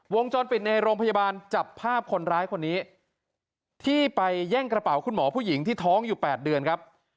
วงจรปิดในโรงพยาบาลจับภาพคนร้ายคนนี้ที่ไปแย่งกระเป๋าคุณหมอผู้หญิงที่ท้องอยู่๘เดือนครับ